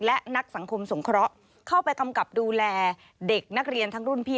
และนักสังคมสงเคราะห์เข้าไปกำกับดูแลเด็กนักเรียนทั้งรุ่นพี่